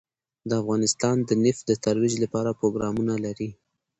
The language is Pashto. افغانستان د نفت د ترویج لپاره پروګرامونه لري.